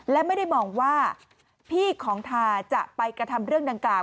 และไม่ได้มองว่าพี่ของทาจะไปกระทำเรื่องดังกล่าว